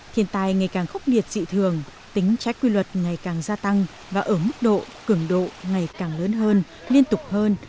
thiên tai ngày càng khốc liệt dị thường tính trái cư luật ngày càng gia tăng và ứng độ cường độ ngày càng lớn hơn liên tục hơn